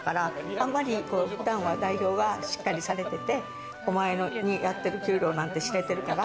あんまり普段は代償がしっかりされてて、おまえにやってる給料なんて知れてるから。